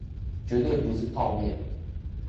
絕對不是泡麵